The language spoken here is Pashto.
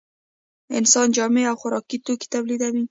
انسان جامې او خوراکي توکي تولیدوي